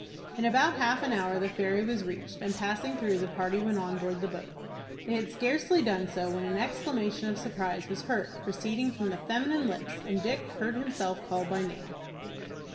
In about half an hour the ferry was reached, and, passing through, the party went on board the boat. They had scarcely done so, when an exclamation of surprise was heard, proceeding from feminine lips, and Dick heard himself called by name.